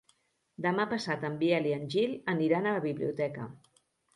Demà passat en Biel i en Gil aniran a la biblioteca.